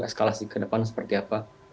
eskalasi ke depan seperti apa